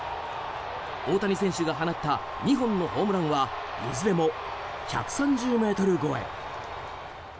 大谷選手が放った２本のホームランはいずれも１３０ｍ超え。